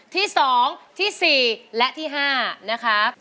ที่๒ที่๔และที่๕นะครับ